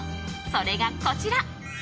それが、こちら。